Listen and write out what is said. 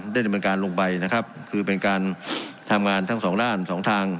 ดำเนินการลงไปนะครับคือเป็นการทำงานทั้งสองด้านสองทาง